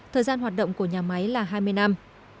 thời gian hoạt động của nhà máy là hai mươi năm